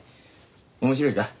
面白いか？